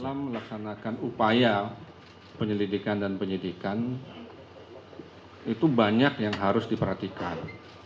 dalam melaksanakan upaya penyelidikan dan penyidikan itu banyak yang harus diperhatikan